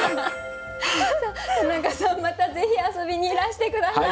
田中さんまたぜひ遊びにいらして下さい。